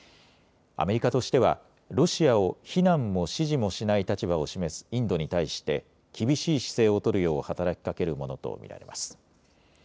アメリカとしてはロシアを非難も支持もしない立場を示すインドに対して厳しい姿勢を取るよう働きかけるものと見られます。